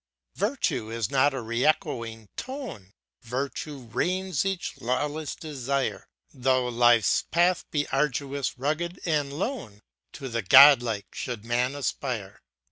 Virtue is not a re echoing tone, Virtue reins each lawless desire; Though Life's path be arduous, rugged and lone, To the God like should man aspire.